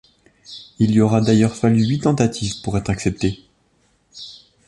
Il lui aura d'ailleurs fallu huit tentatives pour être acceptée.